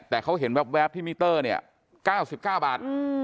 แต่เขาเห็นแว๊บที่มิเตอร์เนี่ย๙๙บาท